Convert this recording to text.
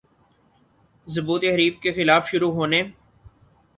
ضبوط حریف کے خلاف شروع ہونے